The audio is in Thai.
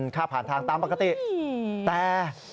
ค่าผ่านทางตามปกติแต่